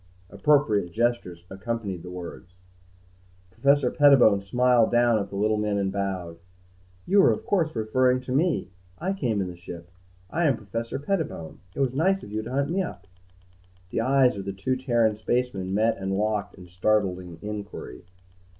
Appropriate gestures accompanied the words. Professor Pettibone smiled down at the little men and bowed. "You are of course referring to me. I came in the ship. I am Professor Pettibone. It was nice of you to hunt me up." The eyes of the two Terran spacemen met and locked in startled inquiry.